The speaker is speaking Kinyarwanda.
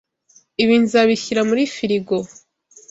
Ibi nzabishyira muri firigo.